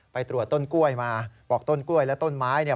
ไปตรวจต้นกล้วยมาบอกต้นกล้วยและต้นไม้เนี่ย